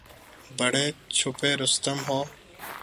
بڑے چھپے رستم ہو